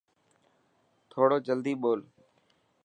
ٿورو جلدي ٻول.